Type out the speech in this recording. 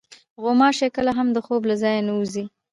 غوماشې کله هم د خوب له ځایه نه وځي.